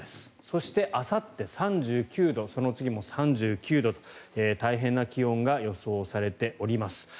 そして、あさって、３９度その次も３９度と大変な気温が予想されております。